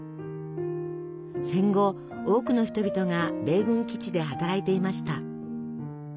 戦後多くの人々が米軍基地で働いていました。